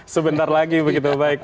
sebentar lagi begitu baik